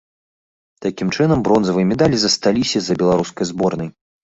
Такім чынам, бронзавыя медалі засталіся за беларускай зборнай.